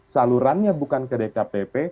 salurannya bukan ke dkpp